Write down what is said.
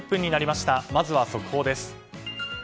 まずは、速報です。